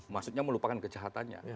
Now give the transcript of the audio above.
maksudnya melupakan kejahatannya